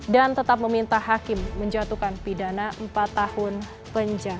dan tetap meminta hakim menjatuhkan pidana empat tahun penjara